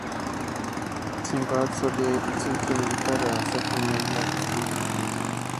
Sinbad solía ir al centro militar a hacer comedia de Stand-Up.